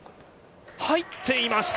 入っていました！